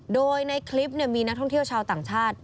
โดยในคลิปมีนักท่องเที่ยวชาวต่างชาติ